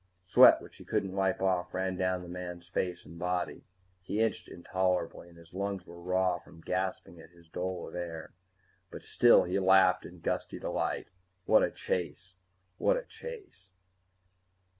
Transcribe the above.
Sweat which he couldn't wipe off ran down the man's face and body. He itched intolerably, and his lungs were raw from gasping at his dole of air. But still he laughed in gusty delight. What a chase! What a chase!